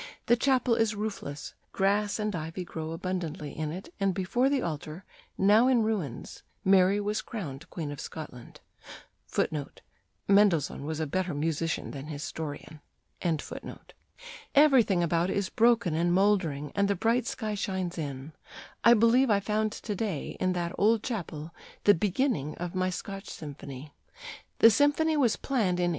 The chapel is roofless, grass and ivy grow abundantly in it; and before the altar, now in ruins, Mary was crowned Queen of Scotland. Everything about is broken and mouldering, and the bright sky shines in. I believe I found to day in that old chapel the beginning of my Scotch symphony." The symphony was planned in 1831.